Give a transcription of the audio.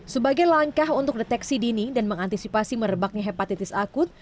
sebagai langkah untuk deteksi dini dan mengantisipasi merebaknya hepatitis akut